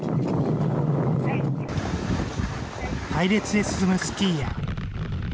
隊列で進むスキーヤー。